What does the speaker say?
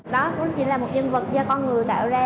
đó cũng chỉ là một nhân vật do con người tạo ra